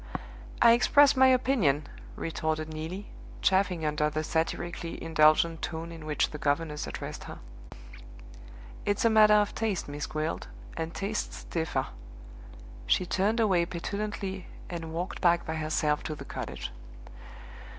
"I express my opinion," retorted Neelie, chafing under the satirically indulgent tone in which the governess addressed her. "It's a matter of taste, Miss Gwilt; and tastes differ." She turned away petulantly, and walked back by herself to the cottage.